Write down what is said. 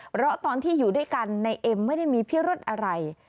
เพราะตอนที่อยู่ด้วยกันในเอ็มไม่ได้มีพิรุธอะไร